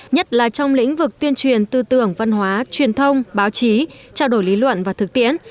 nhất là trong lĩnh vực tuyên truyền tư tưởng văn hóa truyền thông báo chí trao đổi lý luận và thực tiễn